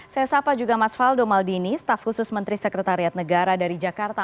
saya sapa juga mas faldo maldini staf khusus menteri sekretariat negara dari jakarta